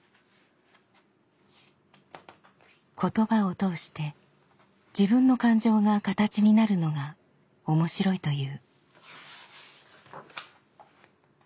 言葉を通して自分の感情が形になるのが面白いという。